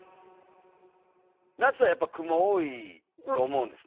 夏はやっぱ雲多いと思うんですね。